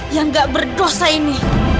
yang gak berdosa ini